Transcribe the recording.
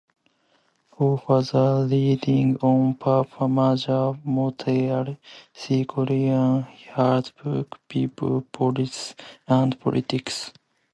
For further reading on pre-merger Montreal, see Karen Herland's book "People, Potholes and Politics".